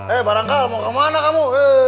eh barangkali mau kemana kamu